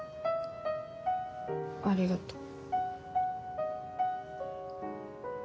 ありがとう。